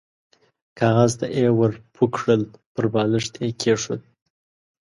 کاغذ ته يې ور پوه کړل، پر بالښت يې کېښود.